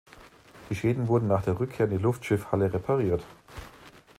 Die Schäden wurden nach der Rückkehr in die Luftschiffhalle repariert.